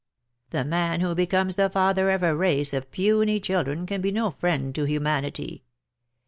The man who becomes the father of a race of puny children, can be no friend to humanity.